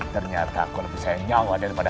ternyata aku lebih sayang nyawa daripada